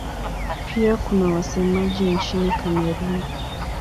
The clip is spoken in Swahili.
Pia kuna wasemaji nchini Kamerun.